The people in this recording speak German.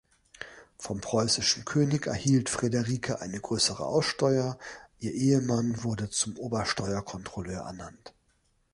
Vom preußischen König erhielt Friederike eine größere Aussteuer, ihr Ehemann wurde zum Ober-Steuer-Kontrolleur ernannt.